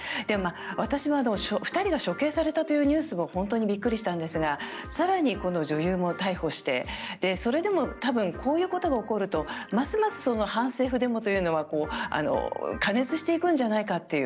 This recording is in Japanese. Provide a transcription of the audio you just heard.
私は２人が処刑されたというニュースも本当にびっくりしたんですが更にこの女優も逮捕してそれでも多分こういうことが起こるとますます反政府デモというのは過熱していくんじゃないかという。